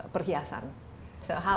perhiasan jadi bagaimana